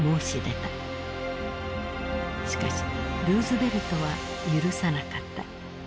しかしルーズベルトは許さなかった。